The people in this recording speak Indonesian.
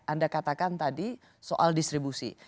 anda katakan tadi soal distribusi